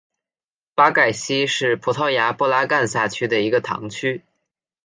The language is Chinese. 巴盖希是葡萄牙布拉干萨区的一个堂区。